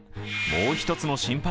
もう一つの心配